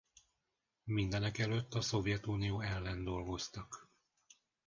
Mindenekelőtt a Szovjetunió ellen dolgoztak.